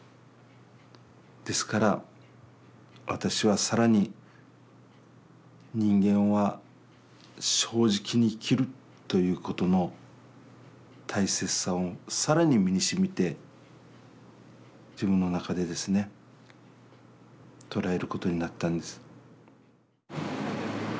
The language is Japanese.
ですから私は更に人間は正直に生きるということの大切さを更に身にしみて自分の中でですね捉えることになったんです。